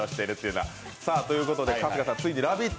春日さん、ついに「ラヴィット！」！